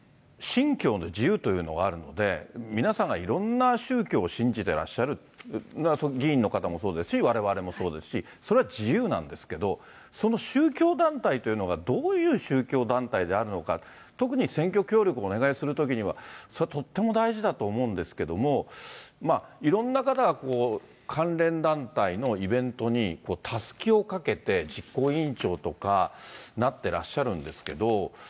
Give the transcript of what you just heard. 信教の自由というのがあるので、皆さんがいろんな宗教を信じてらっしゃる、議員の方もそうですし、われわれもそうですし、それは自由なんですけれども、その宗教団体というのがどういう宗教団体であるのか、特に選挙協力をお願いするときには、それはとっても大事だと思うんですけれども、いろんな方が関連団体のイベントにたすきをかけて、実行委員長とかなってらっしゃるんですけど。